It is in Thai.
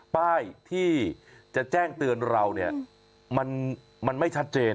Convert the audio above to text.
ป้ายที่จะแจ้งเตือนเราเนี่ยมันไม่ชัดเจน